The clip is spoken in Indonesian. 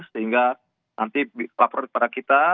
sehingga nanti lapor kepada kita